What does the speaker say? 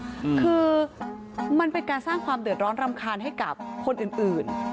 อืมคือมันเป็นการสร้างความเดือดร้อนรำคาญให้กับคนอื่นอื่น